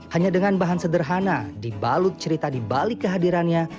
hanya dengan bahan sederhana dibalut cerita di balik kehadirannya